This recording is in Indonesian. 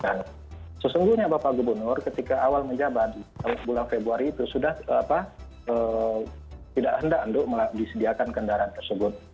dan sesungguhnya bapak gubernur ketika awal menjabat bulan februari itu sudah tidak hendak untuk disediakan kendaraan tersebut